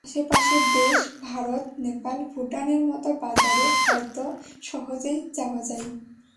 আশপাশের দেশ ভারত, নেপাল, ভুটানের মতো বাজারে হয়তো সহজেই যাওয়া যায়।